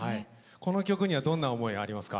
この曲にはどんな思いありますか？